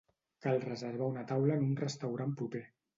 Cal reservar una taula en un restaurant proper.